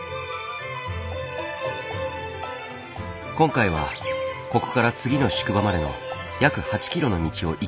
今回はここから次の宿場までの約８ｋｍの道を行き来する。